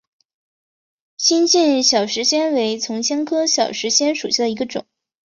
新进小石藓为丛藓科小石藓属下的一个种。